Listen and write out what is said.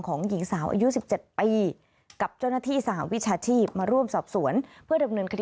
โอเค